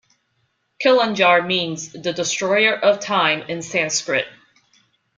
Kalinjar means "The destroyer of time" in Sanskrit.